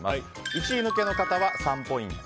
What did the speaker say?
１抜けの方は３ポイント